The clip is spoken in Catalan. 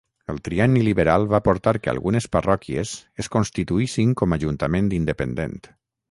El trienni liberal va portar que algunes parròquies es constituïssin com ajuntament independent.